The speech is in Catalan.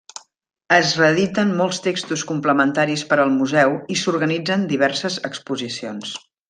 Es reediten molts textos complementaris per al Museu i s'organitzen diverses exposicions.